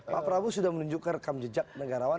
pak prabowo sudah menunjukkan rekam jejak negarawan